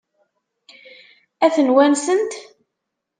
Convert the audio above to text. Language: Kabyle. Ad ten-wansent?